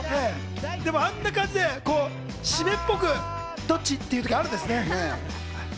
あんな感じで湿っぽく、どっち？っていうことあるんですね。